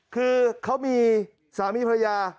เขามีสามีพระยา